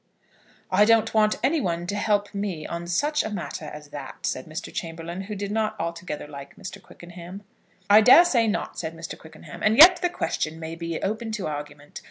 "I don't want anyone to help me on such a matter as that," said Mr. Chamberlaine, who did not altogether like Mr. Quickenham. "I dare say not," said Mr. Quickenham; "and yet the question may be open to argument.